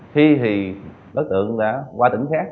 khi thì đối tượng đã qua tỉnh khác